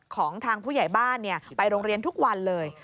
ของทางผู้ใหญ่บ้านไปโรงเรียนทุกวันเลย